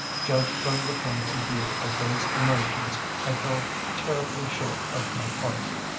Judged from the point of view of those emotions I fell terribly short of my part.